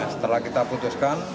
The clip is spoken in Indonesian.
setelah kita putuskan